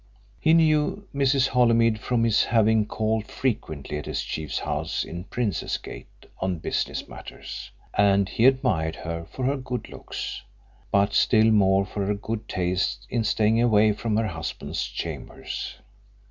He knew Mrs. Holymead from his having called frequently at his chief's house in Princes Gate on business matters, and he admired her for her good looks, but still more for her good taste in staying away from her husband's chambers.